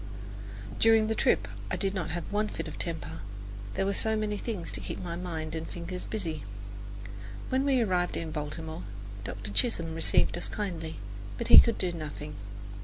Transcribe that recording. During the whole trip I did not have one fit of temper, there were so many things to keep my mind and fingers busy. When we arrived in Baltimore, Dr. Chisholm received us kindly: but he could do nothing.